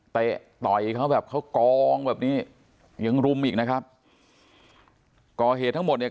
ต่อยเขาแบบเขากองแบบนี้ยังรุมอีกนะครับก่อเหตุทั้งหมดเนี่ย